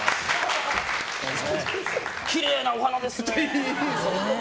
きれいなお花ですね！